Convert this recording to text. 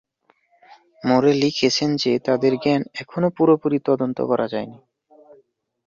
মোরে লিখেছেন যে তাদের জ্ঞান এখনও পুরোপুরি তদন্ত করা যায়নি।